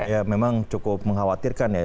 ya memang cukup mengkhawatirkan ya